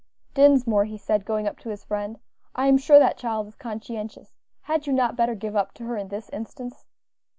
"Dinsmore," he said, going up to his friend; "I am sure that child is conscientious; had you not better give up to her in this instance?"